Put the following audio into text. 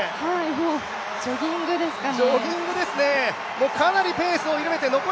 もうジョギングですかね。